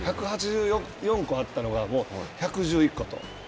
１４４個あったのが１１１個と。